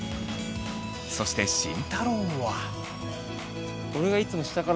そして慎太郎は。